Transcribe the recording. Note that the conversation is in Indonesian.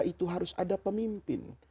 itu harus ada pemimpin